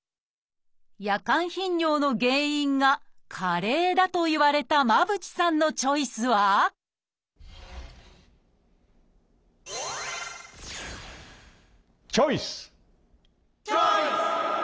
夜間頻尿の原因が加齢だと言われた間渕さんのチョイスはチョイス！